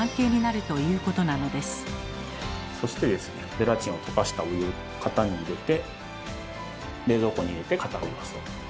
ゼラチンを溶かしたお湯を型に入れて冷蔵庫に入れて固めます。